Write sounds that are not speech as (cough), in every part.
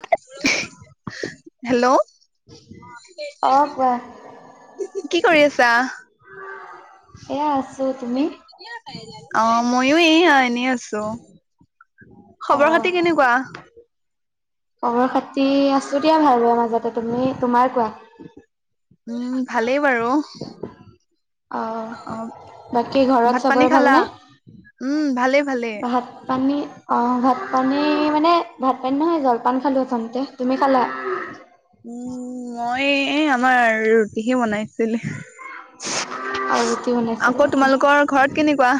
(unintelligible) Hello অ', কোৱা কি কৰি আছা? এয়া আছ। অ' ময়ো এই এনেই। আছো। খবৰ খাতি কেনেকুৱা? কঙৰ খতি আছো দিয়া ভাল হ মাজতে তুমি তোমাৰ কোৱা? উম ভালেই বাৰু অ' বাকী ভাত ঘৰত পানী চাবৰে খালা? ভালনে? উম ভালে ভালে। ভাত পানী অ' ভাত পানী মানে ভাত পানী নহয় জলপান খালোঁ সথনতে তুমি খালা? উম মই আমাৰ ৰুটিহে বনাইছিলে। আৰু কি আকৌ বনাইছিলে? তোমালোকৰ ঘৰত কেনেকুৱা?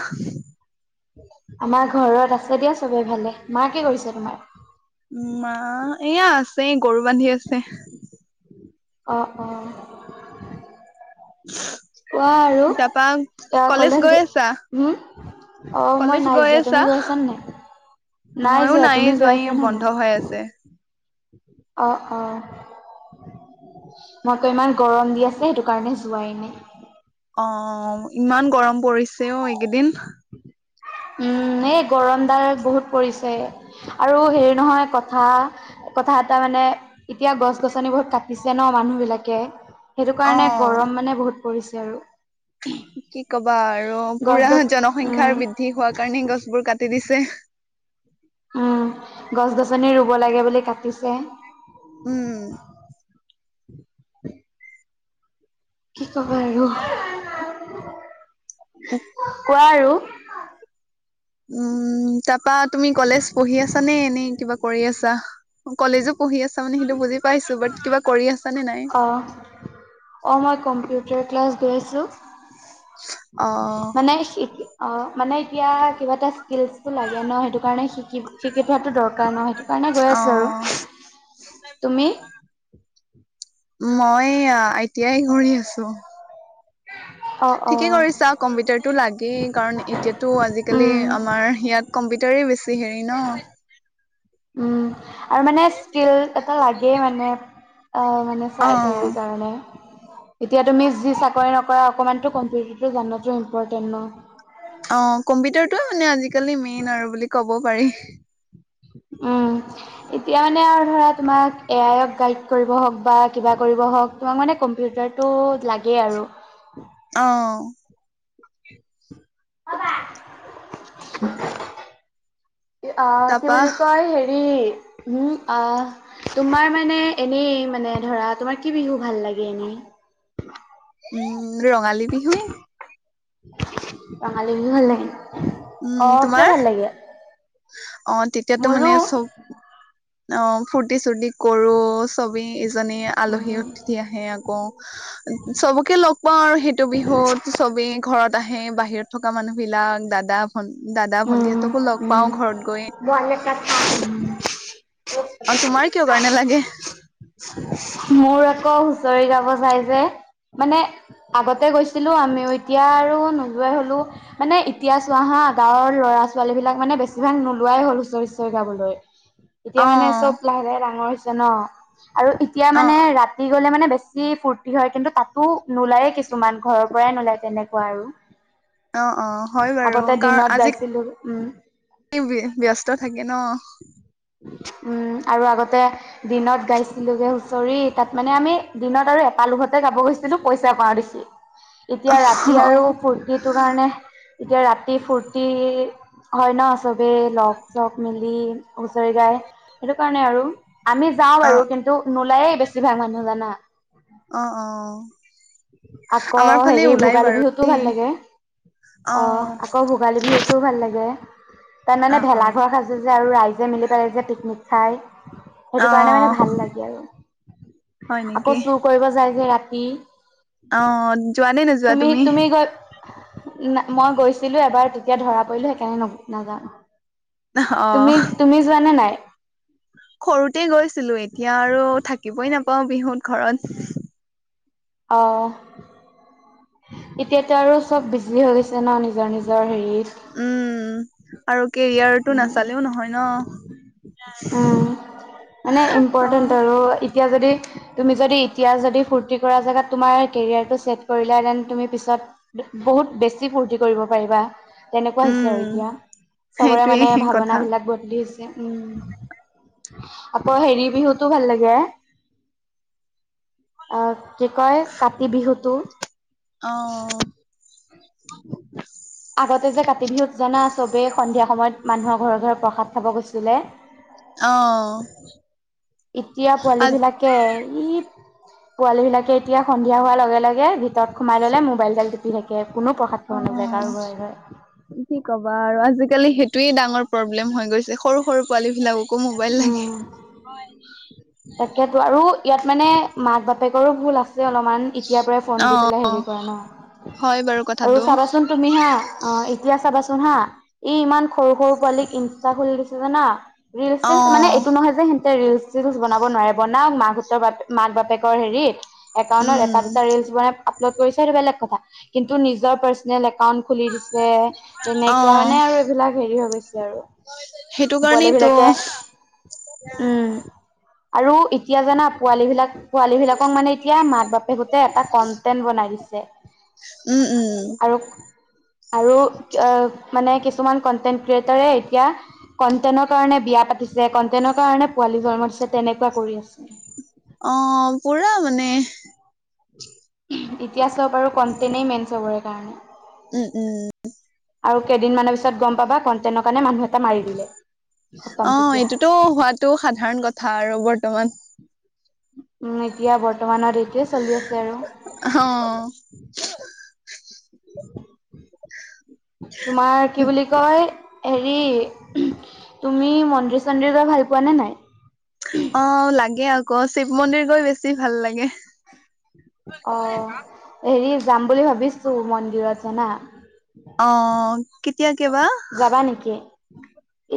আমাৰ ঘৰত আছে দিয়া চবে ভালে মাকা কি কৰিছে তোমাৰ? ম এয়া আছে গৰু বান্ধি আছে। অ' অ' কোৱা আৰু তাপা কলেজ গৈ গ আছা? উম। অ' কলেজ মই নাই গৈ যোৱা আছা? তুমি গৈছা নে নাই? নাই মইয়ো যোৱা নাইয়ে তুমি গৈ এই আছা নে বন্ধ হৈ নাই? আছে। অ' অ' মই কৌ ইমান গৰম দি আছে সেইটো কাৰণে যোৱাই নাই। অ' ইমান গৰম পৰিছে অ' এইকেইদিন। উম। উম এই গৰম দাল বহুত পৰিছে আৰু হেৰি নহয় কথা। কথা এটা মানে এতিয়া গছ গছনি বহুত কাটিছে ন মানুহ বিলাকে সেইটো কাৰণে অ গৰম মানে বহুত পৰিছে আৰু কি ক'ব? বা আৰু গছ পুৰা গছ জনসংখ্যাৰ উম বৃদ্ধি হোৱাৰ কাৰণেই গছবোৰ কাটি দিছে। উম গছ-গছনি ৰুব লাগে বুলি কাটিছে। উম (inaudible) তব আৰু (inaudible) কোৱা আৰু উম তাৰাপা তুমি কলেজ পঢ়ি আছা নে এনেই কিবা কৰি আছা‌? কলেজো পঢ়ি আছ মানে। সেইটো বুজি পাইছো বাট কিবা কৰি আছা? নে নাই? অ' অ' মই কম্পিউটাৰ ক্লাছ গৈ আছো। অ', মানে অ' মানে এতিয়া কিবা এটা স্কিলচবোৰ লাগে ন। সেইটো কাৰণে শিকি শিকি থোৱাটো দৰকাৰ ন সেইটো। কাৰণে গৈ আছো অ'। আৰু তুমি? মই এতিয়াই ঘূৰি আছো। অ অ ঠিকেই কৰিছা কম্পিউটাৰটো লাগেই কাৰণ এতিয়াতো আজিকালি উম আমাৰ ইয়াত কম্পিউটাৰ দৰে বেছি হেৰি ন। উম। আৰু মানে স্কিল এটা লাগেই মানে মানে চাই হেৰি অ', কাৰণে এতিয়া তুমি যি চাকৰি নকৰা অকনমানো কম্পিউটাৰ জো ইম্পৰ্টেন্ট ন। অঁ কম্পিউটাৰটোয়ে মানে আজিকালি মেইন আৰু বুলি ক'ব পাৰি। উম এতিয়া মানে আৰু ধৰা তোমাক এ আইক গাইড কৰিব হওক বা কিবা কৰিব। হওঁক বা মানে কম্পিউটাৰ টো লাগে আৰু অঁ। (unintelligible) অঁ কি তাৰপা বুলি কয় হেৰি উম আহ তোমাৰ মানে এনেই মানে ধৰা তোমাৰ কি বিহু ভাল লাগে এনেই? উম ৰঙালী বিহুয়ে ৰঙালী বিহু ভাল লাগে। অ কিয় ভাল লাগে? অঁ তেতিয়াতো মানে মোৰো চব অ ফূুৰ্তি চুৰ্তি কৰো চব আলহী উম অতিথি আহে আকৌ চবকে লগ পাওঁ আৰু সেইটো বিহুত চব ই ঘৰত আহে বাহিৰত থকা মানুহ বিলাক দাদা ভন দাদা ভন্টিহঁতকো লওক উ বাল কথা অঁ তোমাৰ কিয় কাৰনে লাগে? চৰি যাব চাই যে মানে আগতে গৈছিলো আমিও এতিয়া আৰু নোযাই হলো মানে এতিয়া চোৱাহা গাঁৱৰ ল'ৰা ছোৱালী বিলাক মানে বেছিভাগ নোলোৱাই হ'ল হুঁচৰি হুঁচৰি গাবলৈ এতিয়া অ মানে চব লাহে লাহে ডাঙৰ হৈছে ন আৰু এতিয়া অ মানে ৰাতি গলে মানে বেছি ফূৰ্তি হয় কিন্তু তাতো নোলায়েই কিছুমান ঘৰৰ পৰাই নোলায় তেনেকুৱা আৰু অঁ অঁ হয় বাৰু আগতে কাৰণ দিনত আজি গাইছিলোঁ উম ব্যস্ত থাকে ন। আৰু আগতে দিনত গাইছিলোগে হুঁচৰি তাত মানে আমি দিনত আৰু এপালুহতে গাব গৈছিলো পইচা পাওঁ দেখি। অ এতিয়া ৰাতি অ আৰু ফূৰ্তিটো কাৰণে এতিয়া ৰাতি ফুৰ্তি হয় ন চবেই লগ চগ মিলি হুঁচৰি গায়, সেইটো কাৰণে আৰু আমি যাওঁ বাৰু অ কিন্তু নোলায়ে বেছিভাগ মানুহ জানা? অ আকৌ আমাৰ অঁ ফালে আকৌ ওলাই ভোগালী বাৰু দেই অ বিহুতটোও ভাল লাগে। অ তাৰমানে অ ভেলাঘৰ সাজে যে আৰু ৰাইজে মিলি পেলাই যে পিকনিক খাই। অ সেইটো কাৰণে মানে ভাল লাগে আৰু হয় আকৌ চুৰ কৰিব যায় যে ৰাতি, অঁ যোৱা নে নাযোৱা তুমি? মই গৈছিলো এবাৰ তেতিয়া ধৰা পৰিলো সেইকাৰণে নাজাও। অ তুমি তুমি যোৱা না নাই? সৰুতে গৈছিলো এতিয়া আৰু থাকিবই নাপাও বিহুত ঘৰত। আহ এতিয়াতো আৰু চব বিজি হৈ গৈছে ন নিজৰ নিজৰ হেৰিত। উম আৰু কেৰিয়াৰটো নাচালেও নহয় ন? উম মানে অ ইম্পৰ্টেণ্ট আৰু এতিয়া যদি তুমি যদি এতিয়া যদি ফূৰ্তি কৰা জেগাত তোমাৰ কেৰিয়াৰটো ছেট কৰিলা দেন তুমি পিছত বহুত বেছি ফূৰ্তি কৰিব পাৰিবা তেনেকুৱা হৈছে উম আৰু এতিয়া। চবৰে সেইটোৱে মানে ভাৱনা কথা বিলাক বদলিছে। উম আকৌ হেৰি বিহুতটো ভাল লাগে, অ কি কয় কাতি বিহুটো, অ'। আগতে যে কাটি বিহুত জানা চবেই সন্ধিয়া সময়ত মানুহৰ ঘৰে ঘৰে প্ৰসাদ খাব গৈছিলে। অ'। এতিয়া আজ পোৱালীবিলাকে ই পোৱালীবিলাকে এতিয়া সন্ধিয়া হোৱাৰ লগে লগে ভিতৰত সোমাই ল'লে, মোবাইলডাল টিপি থাকে। কোনো প্ৰসাদ খাব নাযায়। কাৰো উম, ঘৰে ঘৰে। কি ক'বা আৰু আজিকালি সেই এইটোৱেই ডাঙৰ প্ৰব্লেম হৈ গৈছে। সৰু সৰু পোৱালীবিলাক- উম। (unintelligible) আৰু ইয়াত মানে মাক-বাপেকৰো ভুল আছে। যে অলপমান এতিয়াৰ পৰাই ফোন অ দি পেলাই হেৰি কৰা নহয়। হয় বাৰু আৰু কথাটো চাবাচোন তুমি হা, অ' এতিয়া চাবাচোন হা! ই ইমান সৰু সৰু পোৱালীক ইনষ্টা খুলি দিছে জানা? অ ৰীলচ-চিলচ মানে এইটো নহয় যে ৰিলচ-চিলচ বনাব নোৱাৰে, বনাওক মাকহঁতৰ মাক-বাপেকৰ হেৰিত। একাউণ্টত উম এটা দুটা ৰীলচ বনাই আপলোড কৰিছে সেইটো বেলেগ কথা। কিন্তু নিজৰ পাৰ্চনেল একাউণ্ট খুলি দিছে। অ তেনেকুৱা মানে আৰু এইবিলাক হেৰি হৈ গৈছে আৰু। সেইটো পোৱালীবিলাক কাৰণেইতো (unintelligible) উম। আৰু এতিয়া জানা পোৱালীবিলাক পোৱালীবিলাকক মানে এতিয়া মাক-বাপেকহঁতে এটা কন্টেন্ট বনাই দিছে। উম, উম, আৰু আৰু মানে আ কিছুমান কণ্টেণ্ট ক্ৰিয়েটাৰে এতিয়া কন্টেণ্টৰ কাৰণে বিয়া পাতিছে, কনটেনৰ কাৰণে পোৱালি জন্ম দিছে। তেনেকুৱা কৰি আছে। অ' পুৰা মানে। এতিয়া চব আৰু কণ্টেনে মেইন চবৰে কাৰণে। উম, উম। আৰু কেইদিনমানৰ পিছত গম পাবা, কণ্টেণ্টৰ কাৰণে মানুহ এটা মাৰি দিলে। খতম অ' তেতিয়া। এইটোতো হোৱাটো সাধাৰণ কথা আৰু। বৰ্তমান উম, এতিয়া বৰ্তমানত এইটোৱেই চলি আছে আৰু। অ'। তোমাৰ কি বুলি কয়! হেৰি তুমি মন্দিৰ-চন্দিৰ গৈ ভাল পোৱা নে নাই? লাগে অ' শিৱ মন্দিৰ গৈ বেছি ভাল লাগে। অ' হেৰি যাম বুলি ভাবিছো মন্দিৰত জানা! অ' কেতিয়াকে বা? যাবা নেকি?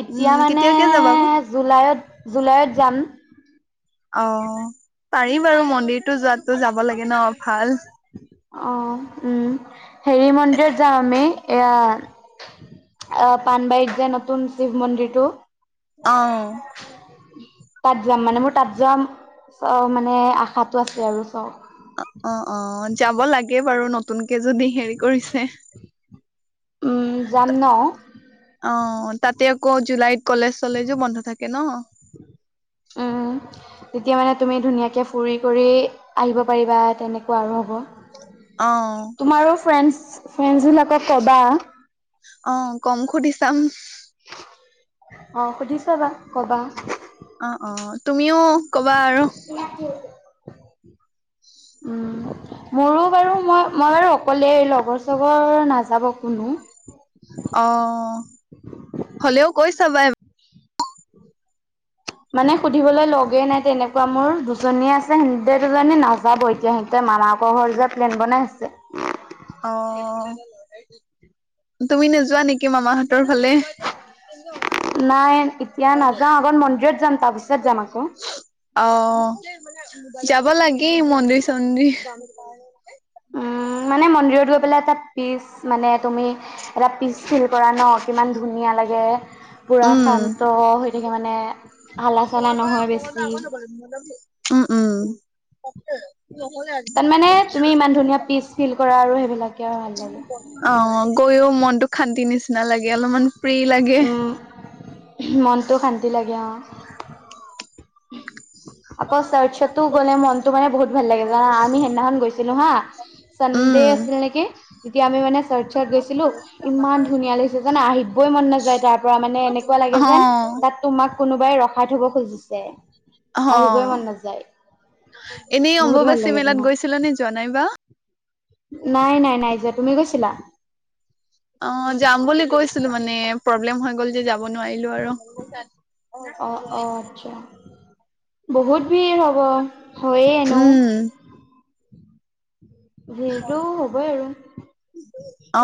এতিয়া উম, মানে কেতিয়াকে যাবা জুলাইত-জুলাইত যাম। অ' পাৰি বাৰু মন্দিৰটো যোৱাতো যাব লাগে ন ভাল। অ' উম। হেৰি মন্দিৰত যাওঁ আমি এয়া অ' পানবাৰীত যে নতুন শিৱ মন্দিৰটো অ'। তাত যাম মানে মোৰ তাত যোৱা চ মানে আশাটো আছে আৰু চখ অ' অ' অ' যাব লাগে বাৰু নতুনকে যদি হেৰি কৰিছে। উম যাম ন? অ' তাতে আকৌ জুলাইত কলেজ-চলেজো বন্ধ থাকে ন! উম। তেতিয়া মানে তুমি ধুনীয়াকৈ ফুৰি কৰি আহিব পাৰিবা, তেনেকুৱা আৰু হ'ব। তোমাৰো ফ্ৰেণ্ডচ -ফ্ৰেণ্ডচবিলাকক ক'বা। অ' কম। সুধি চাম। অ' সুধি চাবা, ক'বা। অ অ তুমিও ক'বা আৰু! (inaudible) উম, মোৰো বাৰু মই-মই বাৰু অকলে, লগৰ-চগৰ নাযাব কোনো! অ' (inaudible) হলেও কৈ চাবা (unintelligible) মানে সুধিবলৈ লগেই নাই তেনেকুৱা মোৰ দুজনীয়ে আছে সতে দুজনী নাযাব এতিয়া (unintelligible) মামাকৰ ঘৰ যোৱা প্লেন বনাই আছে (inaudible) অ' (inaudible) তুমি নোযোৱা নেকি মামাহত (unintelligible) হঁতৰ ফালে (unintelligible) নাই এতিয়া নাযাওঁ আগত মন্দিৰত যাম তাৰপিছত যাম আকৌ। অ' যাব লাগে মন্দিৰ-চন্দিৰ (unintelligible) হয় (unintelligible) উম মানে মন্দিৰত গৈ (unintelligible) এটা পিচ মানে তুমি এটা পিচ ফিল কৰা ন কিমান ধুনীয়া লাগে (unintelligible) পুৰা উম শান্ত হৈ থাকে মানে হালা-চালা নহয় বেছি (unintelligible) উম-উম (unintelligible) তাৰ মানে তুমি ইমান ধুনীয়া পিচ ফিল কৰা আৰু সেইবিলাক (unintelligible) অ' গৈও মনতো শান্তি নিচিনা লাগে অলপমান (unintelligible) উম (unintelligible) মনটো শান্তি লাগে অ'। আকৌ ছাৰ্চ টো গ'লে মনতটো মানে বহুত ভাল লাগে জানা। আমি সেইদিনাখন গৈছিলো হা। উম চানডে আছিল নেকি, তেতিয়া আমি মানে। চাৰ্চত গৈছিলো, ইমান ধুনীয়া লাগিছে জানা আহিবই মন নাযায়। তাৰ পৰা, মানে এনেকুৱা অ লাগে যেন। তাত তোমাক কোনোবাই ৰখাই থব খুজিছে। আহিবই মন অ' নাযায়। এনেই বহুত ভাল অম্বুবাচী লাগে মেলাত জানা, গৈছিল নে যোৱা নাইবা? নাই নাই নাই যোৱা তুমি গৈছিলা? অ' যাম বুলি গৈছিলো মানে প্ৰব্লেম হৈ গ'ল যে যাব নোৱাৰিলো আৰু। অ' অ' আচ্ছা, বহুত ভিৰ হব। হয় এ নৌ। উম ভৰিতটো হ'বই আৰু,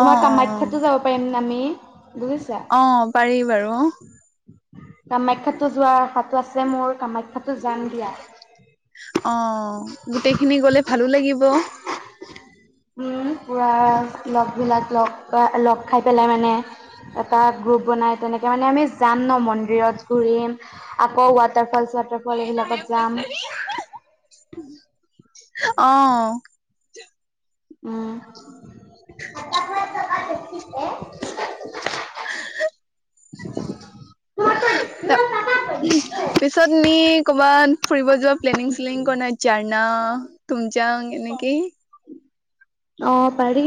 অ কামাখ্যাতো অ যাব পাৰিম আমি। বুজিছা? অ' পাৰি বাৰু। কামাখ্যাতো যোৱা আশাটো আছে মোৰ কাম অ' গোটেইখিনি গ'লে। ভালো লাগিব। উম পুৰা লগবিলাক লগ পা লগ খাই পেলাই মানে। এটা গ্ৰুপ বনাই তেনেকে মানে আমি যাম ন মন্দিৰত ঘুৰিম, আকৌ ৱাটাৰ ফল চোৱাটাৰ ফল এইবিলাকত যাম অ' (inaudible) উম (inaudible) ত উ পিছত নি কৰ'বাত ফুৰিব যোৱা প্লেনিং চ্লেনিং ক নাই জাইনা। উম যাওঁ নিকি? অ' পাৰি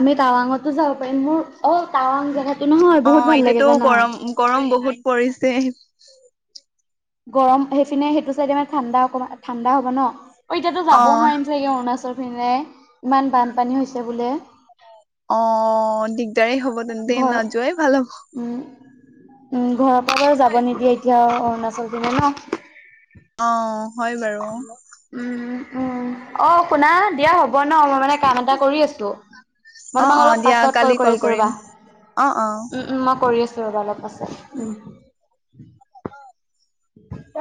আমি টাৱাংঅতো যাব পাৰিম, মোৰ অ' টাৱাং জেগাতো নহয় অ বহুত ভাল লাগে এতিয়াতো জানা? গৰম গৰম বহুত পৰিছে গৰম সেইপিনে সেইটো চাইডে মানে ঠাণ্ডা অকণমান ঠাণ্ডা হ'ব ন? অ' এতিয়াতো অ যাবও নোৱাৰিম চাগে। অৰুণাচল পিনে ইমান বানপানী হৈছে বোলে। অ' দিগদাৰেই হব তেন্তে ঘৰ নাযোৱাই ভাল হ'ব। উম উম ঘৰৰ পৰা বাৰু যাব নিদিয়ে এতিয়া অৰুণাচল পিনে ন। অ' হয় বাৰু। উম উম অ' শুনা দিয়া হ'ব ন, মই মানে কাম এটা কৰি আছো। মই অ তোমাক অ অলপ দিয়া পাছত কল কালি কৰিছো কৰিম ৰ'বা, অ অ উম উম মই কৰি আছো। ৰ'বা অলপ পাছত। তেট